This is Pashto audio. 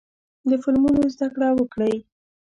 له فلمونو زده کړه وکړئ.